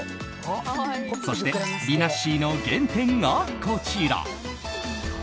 そして、りなっしーの原点がこちら。